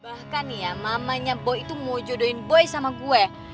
bahkan nih ya mamanya boy itu mau jodohin boy sama gue